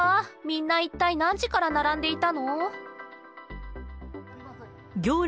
みんな一体何時から並んでいたのー。